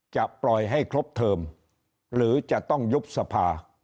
จะปล่อยให้ครบเทิมหรือจะต้องยุบสภา